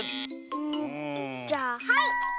うんじゃあはい！